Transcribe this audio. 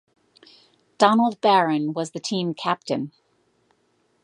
Donald Barron was the team captain.